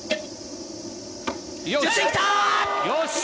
よし。